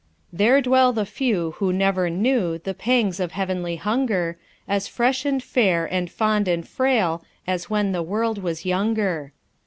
There dwell the few who never knew The pangs of heavenly hunger As fresh and fair and fond and frail As when the world was younger.